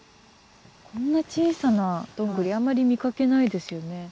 こんな小さなどんぐりあんまり見かけないですよね。